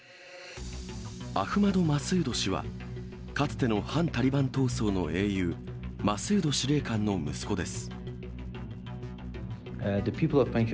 アフマド・マスード氏は、かつての反タリバン闘争の英雄、マスード司令官の息子です。